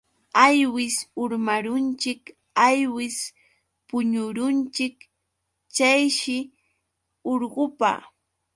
Aywis urmarunchik aywis puñurunchik chayshi urqupa.